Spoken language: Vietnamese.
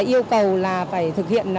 yêu cầu là phải thực hiện